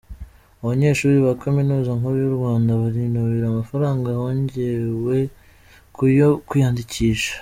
Abanyeshuri ba Kaminuza Nkuru y’u Rwanda barinubira amafaranga yongewe kuyo kwiyandikisha